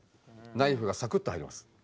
ナイフがサクッと入ります。